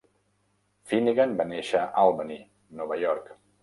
Finnegan va néixer a Albany, Nova York.